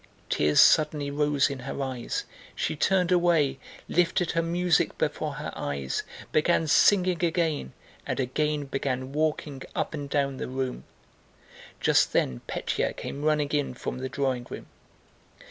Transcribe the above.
Tears suddenly rose in her eyes, she turned away, lifted her music before her eyes, began singing again, and again began walking up and down the room. Just then Pétya came running in from the drawing room.